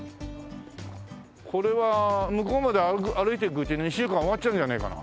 これは向こうまで歩いていくうちに１週間終わっちゃうんじゃないかな？